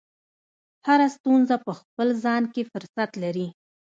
هره ستونزه په خپل ځان کې فرصت لري.